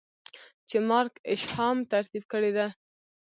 چې Mark Isham ترتيب کړې ده.